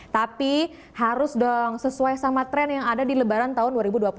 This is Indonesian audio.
tapi harus dong sesuai sama tren yang ada di lebaran tahun dua ribu dua puluh satu